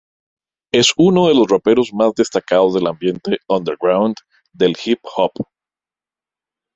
Es uno de los raperos más destacados del ambiente underground del Hip-Hop.